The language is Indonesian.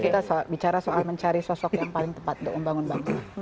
kita bicara soal mencari sosok yang paling tepat untuk membangun bangsa